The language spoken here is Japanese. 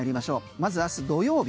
まず明日土曜日。